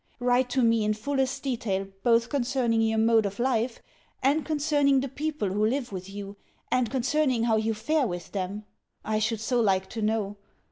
Write to me in fullest detail, both concerning your mode of life, and concerning the people who live with you, and concerning how you fare with them. I should so like to know!